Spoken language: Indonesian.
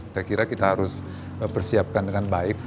saya kira kita harus persiapkan dengan baik